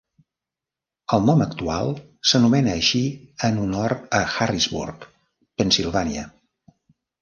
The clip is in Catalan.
El nom actual s'anomena així en honor a Harrisburg, Pennsilvània.